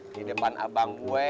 di depan abang gue